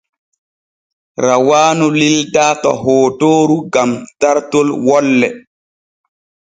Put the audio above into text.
Rawaanu lildaa to hootooru gam dartot wolle.